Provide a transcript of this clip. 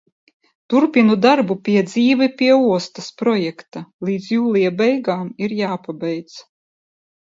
Turpinu darbu pie "Dzīve pie ostas" projekta, līdz jūlija beigām ir jāpabeidz.